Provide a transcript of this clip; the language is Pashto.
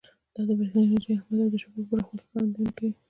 دا د برېښنا انرژۍ اهمیت او د شبکو پراخوالي ښکارندویي کوي.